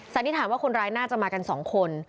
สันนิษฐานว่าคนร้ายน่าจะมากันสองคน